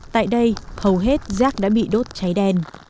tại đây hầu hết rác đã bị đốt cháy đen